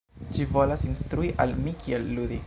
Ĝi volas instrui al mi kiel ludi